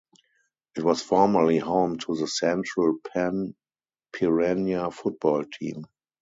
It was formerly home to the Central Penn Piranha football team.